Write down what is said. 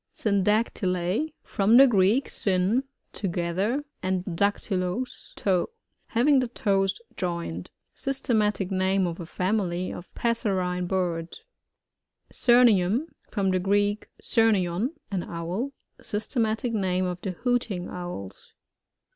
Synoactyub. — From the Greek, sun, together, and daktuloa, toe. Hav ing the toes joined. Systematic name of a fomily of passerine birds. Syrnium. — From the Greek, surnton, an owl. Systematic name of the Hooting Owls.